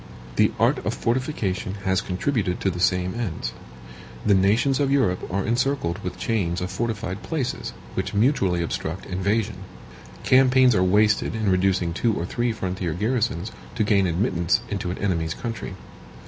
The art of fortification has contributed to the same ends. The nations of Europe are encircled with chains of fortified places, which mutually obstruct invasion. Campaigns are wasted in reducing two or three frontier garrisons, to gain admittance into an enemy's country.